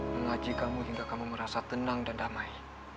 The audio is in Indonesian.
mengaji kamu hingga kamu merasa tenang dan damai